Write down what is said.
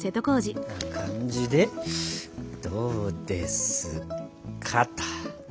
こんな感じでどうですかっと。